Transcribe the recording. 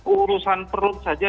urusan perut saja